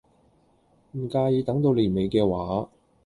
唔介意等到年尾嘅話